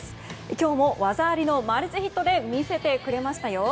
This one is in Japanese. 今日も技ありのマルチヒットで魅せてくれましたよ。